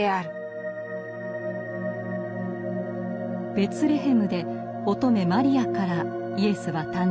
ベツレヘムで乙女マリアからイエスは誕生します。